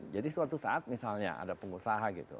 jadi suatu saat misalnya ada pengusaha gitu